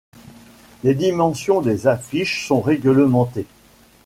Les dimensions des affiches sont réglementées.